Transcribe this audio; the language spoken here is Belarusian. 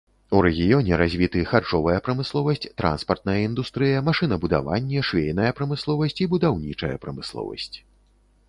У рэгіёне развіты харчовая прамысловасць, транспартная індустрыя, машынабудаванне, швейная прамысловасць і будаўнічая прамысловасць.